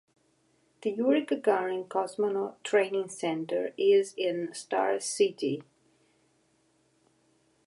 The Yuri Gagarin Cosmonaut Training Center is in Star City.